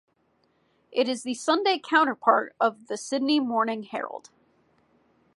It is the Sunday counterpart of "The Sydney Morning Herald".